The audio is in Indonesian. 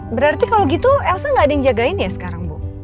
berarti kalau gitu elsa gak ada yang jagain ya sekarang bu